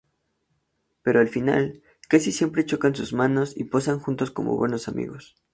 Pero al final, casi siempre chocan sus manos y posan juntos como buenos amigos.